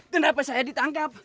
kenapa saya ditangkep